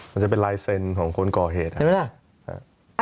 มันจะเป็นลายเซ็นของคนก่อเหตุครับ